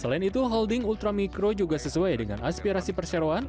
selain itu holding ultramikro juga sesuai dengan aspirasi perseroan